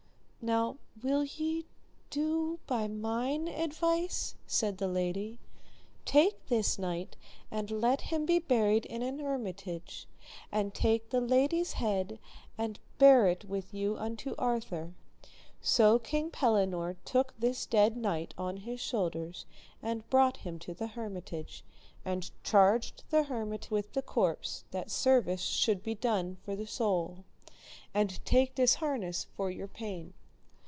Now, will ye do by mine advice? said the lady, take this knight and let him be buried in an hermitage, and then take the lady's head and bear it with you unto Arthur. So King Pellinore took this dead knight on his shoulders, and brought him to the hermitage, and charged the hermit with the corpse, that service should be done for the soul; and take his harness for your pain.